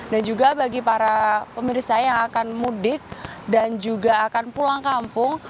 dan juga bagi para pemirsa yang akan mudik dan juga akan pulang kampung